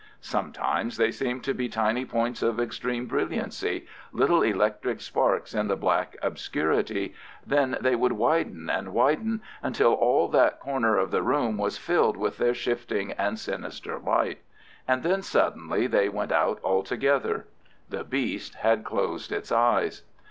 Sometimes they seemed to be tiny points of extreme brilliancy—little electric sparks in the black obscurity—then they would widen and widen until all that corner of the room was filled with their shifting and sinister light. And then suddenly they went out altogether. The beast had closed its eyes.